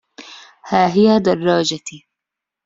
ها هي دراجتي.